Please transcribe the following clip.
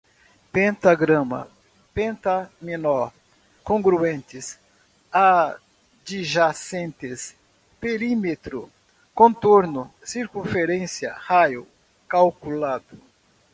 pentagrama, pentaminó, congruentes adjacentes, perímetro, contorno, circunferência, raio, calculado